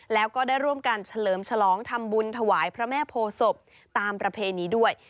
แล้วก็ได้ร่วมกันเฉลิมฉลองทำบุญถวายพระแม่โพศพตามประเพณีด้วย